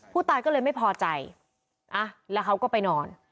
ผู้ตายก็เลยไม่พอใจอ่ะแล้วเขาก็ไปนอน